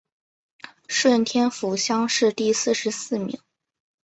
顺天府乡试第四十四名。